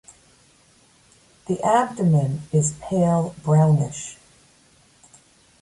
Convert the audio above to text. The abdomen is pale brownish.